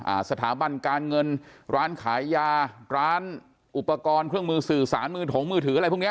สถาบันการเงินร้านขายยาร้านอุปกรณ์เครื่องมือสื่อสารมือถงมือถืออะไรพวกเนี้ย